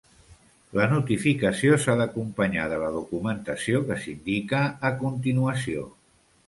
La notificació s'ha d'acompanyar de la documentació que s'indica a continuació.